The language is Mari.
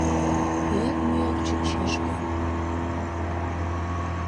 Ӱяк-мӱяк чучеш гын